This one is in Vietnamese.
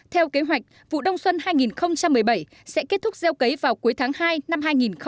theo kế hoạch vụ đông xuân hai nghìn một mươi bảy sẽ kết thúc gieo cấy vào cuối tháng hai năm hai nghìn một mươi chín